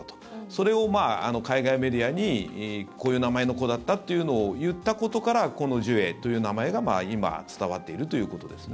それを海外メディアにこういう名前の子だったというのを言ったことからこのジュエという名前が今伝わっているということです。